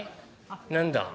何だ？